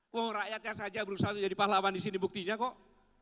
wow rakyatnya saja berusaha untuk jadi pahlawan di sini buktinya kok